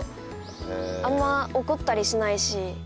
あんま怒ったりしないし。